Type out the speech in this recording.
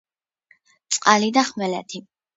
წყალი და ხმელეთი